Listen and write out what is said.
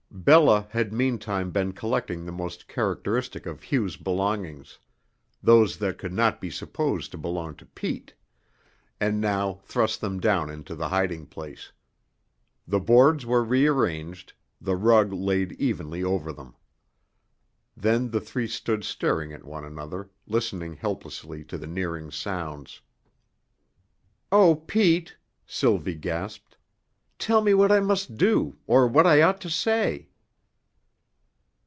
Bella had meantime been collecting the most characteristic of Hugh's belongings those that could not be supposed to belong to Pete and now thrust them down into the hiding place. The boards were rearranged, the rug laid evenly over them. Then the three stood staring at one another, listening helplessly to the nearing sounds. "Oh, Pete," Sylvie gasped, "tell me what I must do or what I ought to say."